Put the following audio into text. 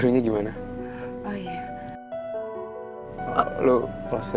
ini menu baru di kafe